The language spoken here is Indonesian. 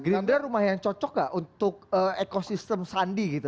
gerindra rumah yang cocok gak untuk ekosistem sandi gitu